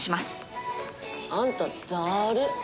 「あんただるっ！」